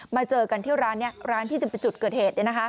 มาเจอกันที่ร้านที่จะไปจุดเกิดเหตุ